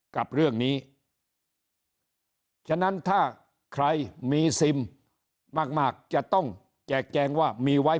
กับเรื่องนี้ฉะนั้นถ้าใครมีซิมมากจะต้องแจกแจงว่ามีไว้